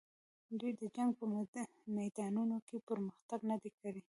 دوی د جنګ په میدانونو کې پرمختګ نه دی کړی.